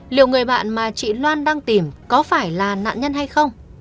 liệu người bạn mà chị loan đang tìm có phải là nạn nhân hay không